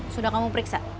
sudah kamu periksa